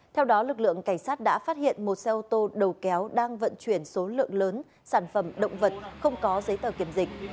theo đó lực lượng cảnh sát đã phát hiện một xe ô tô đầu kéo đang vận chuyển số lượng lớn sản phẩm động vật không có giấy tờ kiểm dịch